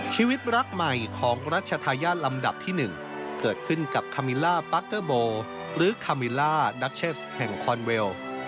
ชีวิตรักใหม่ของรัชธาญาติลำดับที่๑เกิดขึ้นกับคามิลล่าปั๊กเกอร์โบหรือคามิลล่าดัคเชสแห่งคอนเวล